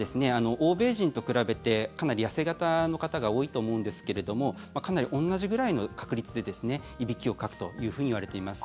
欧米人と比べてかなり痩せ形の方が多いと思うんですけれども同じぐらいの確率でですねいびきをかくといわれています。